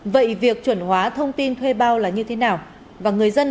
vậy việc chuẩn hóa thông tin thuê bao là như thế nào